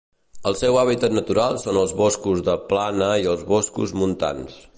El seu hàbitat natural són els boscos de plana i els boscos montans.